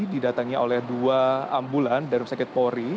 didatangnya oleh dua ambulan dari rumah sakit polri